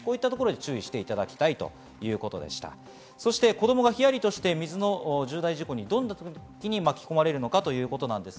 子供がヒヤリとして水の重大事故にどんな時に巻き込まれるのかということです。